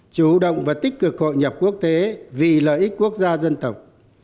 chủ động và tích cực hội nhập quốc tế vì lợi ích quốc gia dân tộc